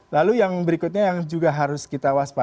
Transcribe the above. lalu yang berikutnya yang juga harus kita waspada